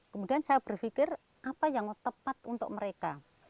kemudian saya berpikir apa yang tepat untuk mereka